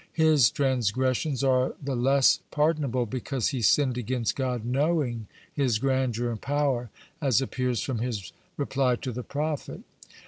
(40) His transgressions are the less pardonable, because he sinned against God knowing His grandeur and power, as appears from his reply to the prophet.